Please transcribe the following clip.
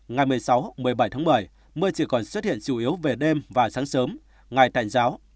ngày một mươi sáu một mươi bảy tháng một mươi mưa chỉ còn xuất hiện chủ yếu về đêm và sáng sớm ngày tạnh giáo